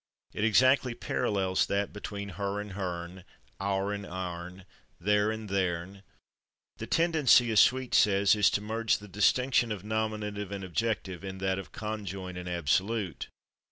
It exactly parallels that between /her/ and /hern/, /our/ and /ourn/, /their/ and /theirn/: the tendency, as Sweet says, is "to merge the distinction of nominative and objective in that of conjoint and absolute."